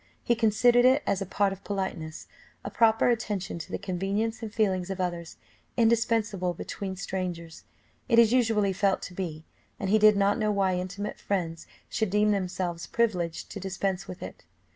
He considered it as a part of politeness, a proper attention to the convenience and feelings of others; indispensable between strangers it is usually felt to be, and he did not know why intimate friends should deem themselves privileged to dispense with it.